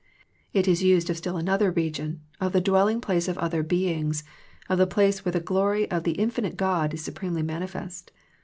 It is used of still another region, of the dwelling place of other beings, of the place where the glory of the in finite God is supremely manifest.